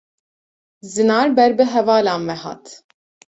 Zinar ber bi hevalan ve hat.